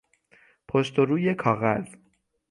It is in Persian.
پشت و روی کاغذ